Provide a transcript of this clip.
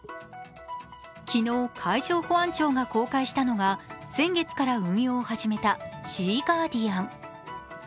昨日、海上保安庁が公開したのが、先月から運用を始めたシーガーディアン。